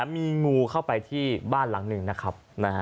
มีงูเข้าไปที่บ้านหลังหนึ่งนะครับ